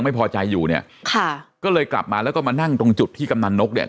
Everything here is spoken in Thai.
ไม่พอใจอยู่เนี่ยค่ะก็เลยกลับมาแล้วก็มานั่งตรงจุดที่กำนันนกเนี่ย